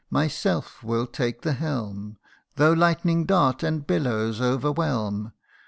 Myself will take the helm, Though lightnings dart, and billows overwhelm.